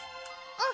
あっ！